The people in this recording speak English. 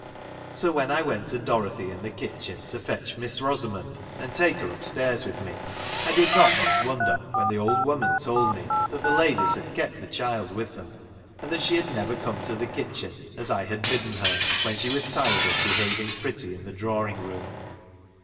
So when I went to Dorothy in the J kitchen, to fetch Miss Rosamond and take her j \ip stairs with me, I did not much wonder j when the old woman told me that the ladies j had kept the child with them, and that she I had never come to the kitchen, as I had I bidden her, when she was tired of behaving I pretty in the drawing room.